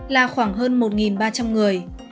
là khoảng hơn một ba trăm linh người